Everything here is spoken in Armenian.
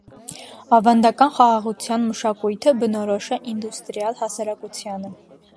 Ավանդական խաղաղության մշակույթը բնորոշ է ինդուստրիալ հասարակությանը։